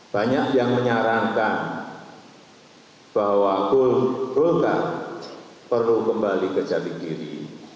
banyak yang menyarankan bahwa golkar perlu kembali ke jati diri